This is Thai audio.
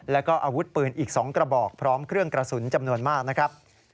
แล้วก็อาวุธปืนอีก๒กระบอกพร้อมเครื่องกระสุนจำนวนมากนะครับ